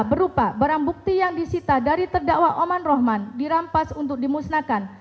berupa barang bukti yang disita dari terdakwa oman rohman dirampas untuk dimusnahkan